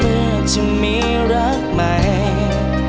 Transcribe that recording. เมื่อจะมีรักใหม่